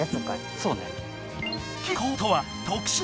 そうね。